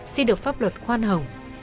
xin được pháp luật khoan hồng